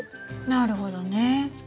なるほどね。